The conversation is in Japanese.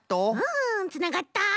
うんつながった！